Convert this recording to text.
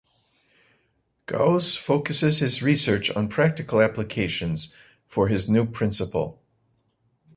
Gause focuses his research on practical applications for his new principle.